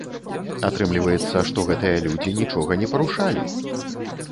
Атрымліваецца, што гэтыя людзі нічога не парушалі!